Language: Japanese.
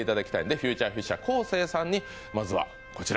フューチャーフィッシャー昴生さんにまずはこちら